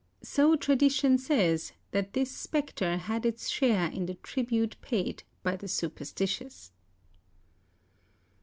So tradition says that this spectre had its share in the tribute paid by the superstitious.